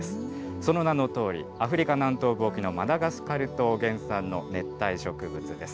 その名のとおり、アフリカ南東部沖のマダガスカル島原産の熱帯植物です。